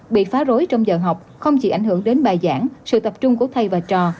bị phá rối trong giờ học không chỉ ảnh hưởng đến bài giảng sự tập trung của thầy và trò